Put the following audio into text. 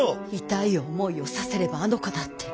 痛い思いをさせればあの子だって。